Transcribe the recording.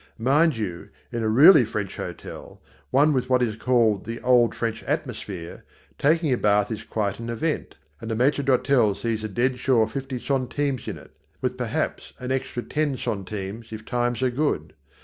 Mind you, in a really French hotel, one with what is called the old French atmosphere, taking a bath is quite an event, and the maître d'hôtel sees a dead sure fifty centimes in it, with perhaps an extra ten centimes if times are good.